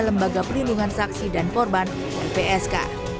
lembaga perlindungan saksi dan korban lpsk